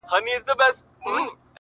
پلار یې راوستئ عسکرو سم په منډه-